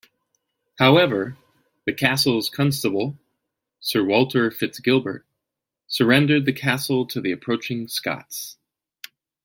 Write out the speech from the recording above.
However, the castle's constable, Sir Walter FitzGilbert, surrendered the castle to the approaching Scots.